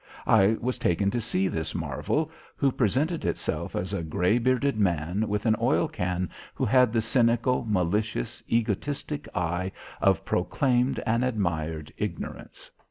I was taken to see this marvel, which presented itself as a gray bearded man with an oil can, who had the cynical, malicious, egotistic eye of proclaimed and admired ignorance.